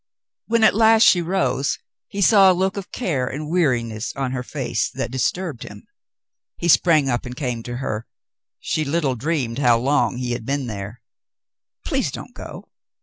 When at last she rose, he saw a look of care and weari ness on her face that disturbed him. He sprang up and came to her. She little dreamed how long he had been there. "Please don't go.